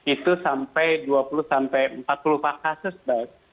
itu sampai dua puluh empat puluh empat kasus pak